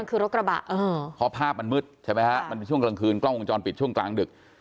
เพราะภาพมันมืดใช่ไหมครับมันเป็นช่วงกลางคืนกล้องวงจรปิดช่วงกลางดึก